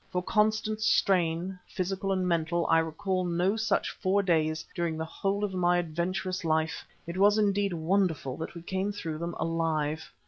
For constant strain, physical and mental, I recall no such four days during the whole of my adventurous life. It was indeed wonderful that we came through them alive.